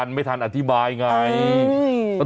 ซื้อให้มันต้องมีในกล่องไว้ล่ะ